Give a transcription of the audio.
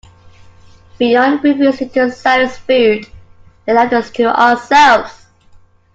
Beyond refusing to sell us food, they left us to ourselves.